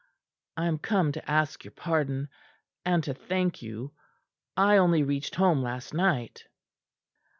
I am come to ask your pardon, and to thank you. I only reached home last night."